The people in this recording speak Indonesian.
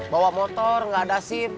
bawa motor gak ada sip